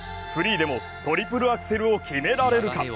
フリーでもトリプルアクセルを決められるか。